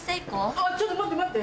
あっちょっと待って待って！